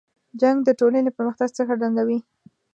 جنګ د ټولنې له پرمختګ څخه ځنډوي.